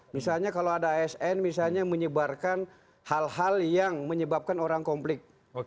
misalnya kalau ada asn misalnya menyebarkan hal hal yang menyebabkan orang komplik